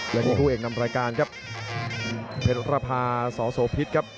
และนี่คู่เอกนำรายการครับเพชรประพาสอโสพิษครับ